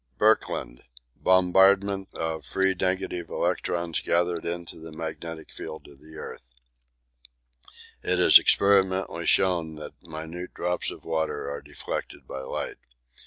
Birkeland. Bombardment of free negative electrons gathered into the magnetic field of the earth. It is experimentally shown that minute drops of water are deflected by light.